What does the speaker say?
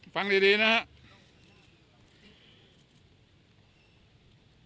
ฟังดีนะครับ